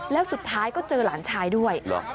แล้วสุดท้ายก็เจอหลานชายด้วย